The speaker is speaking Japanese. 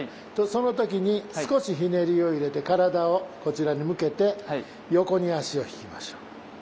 その時に少しひねりを入れて体をこちらに向けて横に足を引きましょう。